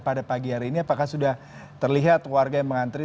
pada pagi hari ini apakah sudah terlihat warga yang mengantri